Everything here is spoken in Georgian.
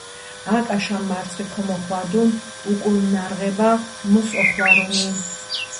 აკაშა მარცხი ქომოხვადუნ უკულ ნარღება მუს ოხვარუნი